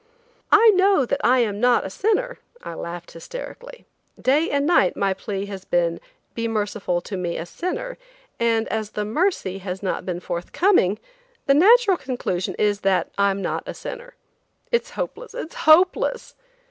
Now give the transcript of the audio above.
"I know that I am not a sinner," l laughed hysterically. "Day and night my plea has been, 'Be merciful to me a sinner,' and as the mercy has not been forthcoming, the natural conclusion is that I'm not a sinner. It's hopeless, it's hopeless!"